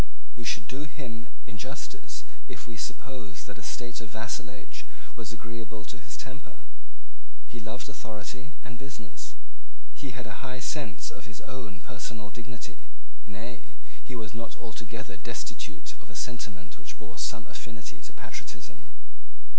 We should do him injustice if we supposed that a state of vassalage was agreeable to his temper. He loved authority and business. He had a high sense of his own personal dignity. Nay, he was not altogether destitute of a sentiment which bore some affinity to patriotism.